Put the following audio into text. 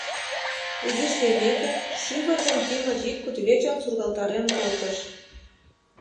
Изиш лиймеке, шӱвыр ден тӱмыр йӱк кудывечым сургалтарен колтыш.